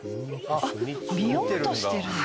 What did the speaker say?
あっ見ようとしてるのね。